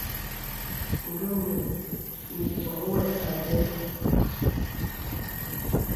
Ǹgə mə ìbɔŋ wɔ àbə.